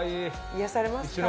癒やされますか。